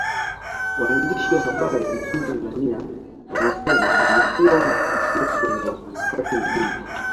Waandishi wa habari nchini Tanzania wanasema wamekuwa wakipitia kwenye wakati mgumu